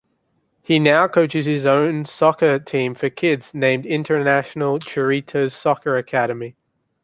He now coaches his own soccer team for kids named International Cerritos Soccer Academy.